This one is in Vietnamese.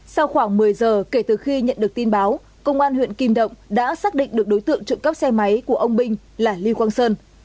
sau khoảng một mươi giờ kể từ khi nhận được tin báo công an huyện kim động đã xác định được đối tượng trộm cắp xe máy của ông binh là lưu quang sơn